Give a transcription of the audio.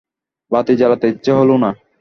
বাতি জ্বালাতে ইচ্ছে হলো না।